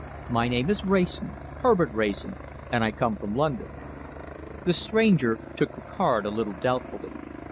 My name is Wrayson, Herbert Wrayson, and I come from London." The stranger took the card a little doubtfully.